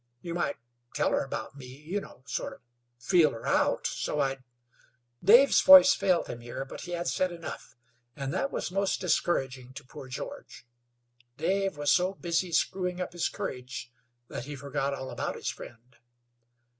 You might tell her about me you know, sort of feel her out, so I'd " Dave's voice failed him here; but he had said enough, and that was most discouraging to poor George. Dave was so busy screwing up his courage that he forgot all about his friend.